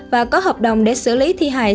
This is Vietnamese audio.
và có hợp đồng để xử lý thi hại